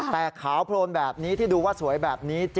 แต่ขาวโพลนแบบนี้ที่ดูว่าสวยแบบนี้